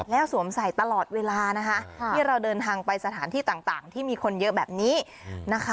แล้วสวมใส่ตลอดเวลานะคะที่เราเดินทางไปสถานที่ต่างที่มีคนเยอะแบบนี้นะคะ